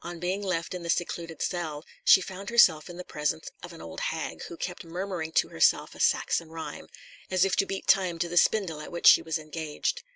On being left in the secluded cell, she found herself in the presence of an old hag, who kept murmuring to herself a Saxon rhyme, as if to beat time to the spindle at which she was engaged.